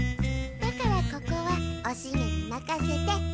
だからここはおシゲにまかせて。